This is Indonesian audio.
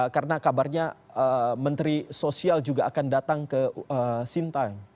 karena kabarnya menteri sosial juga akan datang ke simpang